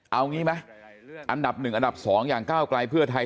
เอางี้ไหมอันดับหนึ่งอันดับสองอย่างก้าวกลายเพื่อไทย